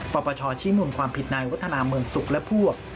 ปปชชี้มูลความผิดในวัฒนาเมืองสุขและพวก